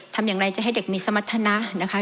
ทำอย่างไรจะให้เด็กมีสมรรถนะนะคะ